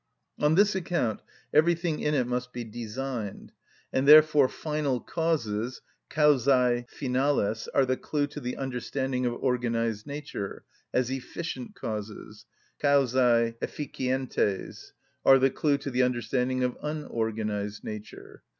On this account everything in it must be designed; and therefore final causes (causæ finales) are the clue to the understanding of organised nature, as efficient causes (causæ efficientes) are the clue to the understanding of unorganised nature.